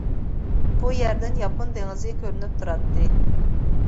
بۇ يەردىن ياپون دېڭىزى كۆرۈنۈپ تۇراتتى.